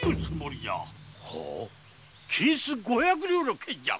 金子五百両の件じゃ。